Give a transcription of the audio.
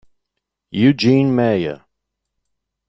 Eugene Meyer